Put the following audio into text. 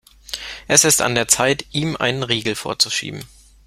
Es ist an der Zeit, ihm einen Riegel vorzuschieben.